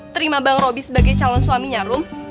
terima bang robi sebagai calon suaminya rom